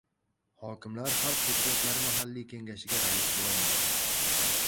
Hokimlar xalq deputatlari mahalliy Kengashiga rais bo‘lmaydi